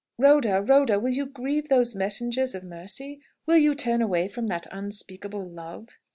Rhoda, Rhoda, will you grieve those messengers of mercy? Will you turn away from that unspeakable love?"